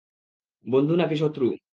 বন্ধু নাকি শত্রু?